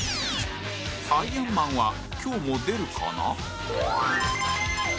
アイアンマンは今日も出るかな？